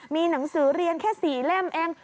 มีหนังสือเรียนแค่๔เล่มเอง